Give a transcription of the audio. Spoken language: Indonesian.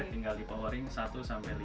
tinggal di powering satu sampai lima